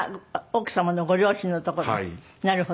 奥様のご両親のところ？